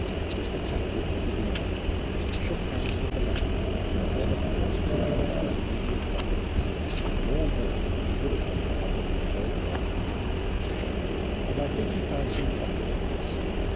Mr. Tappitt admitted the argument, shook hands with the man, and then of course took him into his immediate confidence with more warmth than he would have done had there been no quarrel between them. And I think he found some comfort in this.